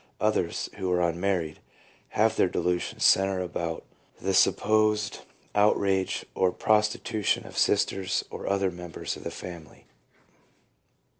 Others, who are unmarried, have their delusions centre about the sup posed outrage or prostitution of sisters or other members of the family.